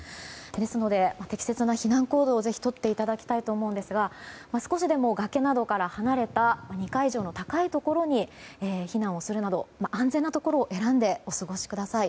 ですので、適切な避難行動をぜひとっていただきたいですが少しでも崖などから離れた２階以上の高いところに避難をするなど安全なところを選んでお過ごしください。